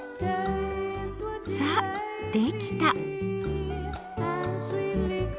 さあできた！